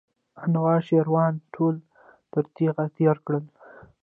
انوشیروان ټول تر تېغ تېر کړل.